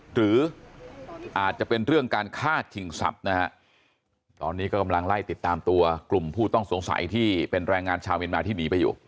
หรืออาจจะเป็นเรื่องการฆ่าชิงทรัพย์นะฮะตอนนี้ก็กำลังไล่ติดตามตัวกลุ่มผู้ต้องสงสัยที่เป็นแรงงานชาวเมียนมาที่หนีไปอยู่